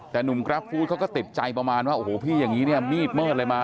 แต่หนุ่มกราฟฟู้ดเขาก็ติดใจประมาณว่าโอ้โหพี่อย่างนี้เนี่ยมีดเมิดอะไรมา